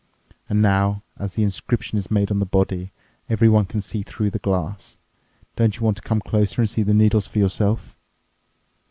And now, as the inscription is made on the body, everyone can see through the glass. Don't you want to come closer and see the needles for yourself."